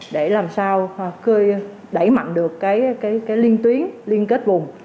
để làm sao đẩy mạnh được cái liên tuyến liên kết vùng